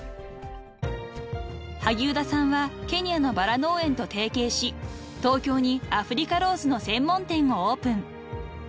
［萩生田さんはケニアのバラ農園と提携し東京にアフリカローズの専門店をオープン］